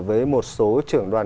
với một số trưởng đoàn